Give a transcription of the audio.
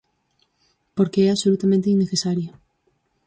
Porque é absolutamente innecesaria.